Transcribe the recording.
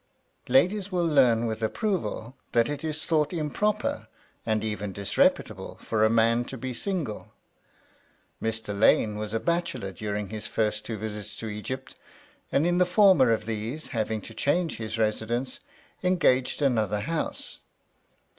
Ladies will learn with approval that it is thought improper, and even disreputable, for a man to be single. Mr. Lane was a bachelor during his first two visits to Egypt; and in the former of these, having to change his residence, engaged another house.